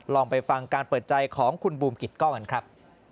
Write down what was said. ลองไปฟังการเปิดใจของคุณบูมกิจกล้องกันครับ